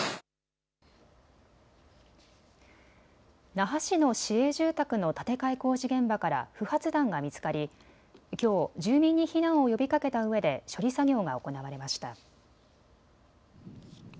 那覇市の市営住宅の建て替え工事現場から不発弾が見つかり、きょう住民に避難を呼びかけたうえで処理作業が行われました。